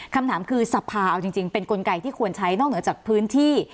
คำถามคือสภาเอาจริงเป็นกลไกที่ควรใช้นอกเหนือจากพื้นที่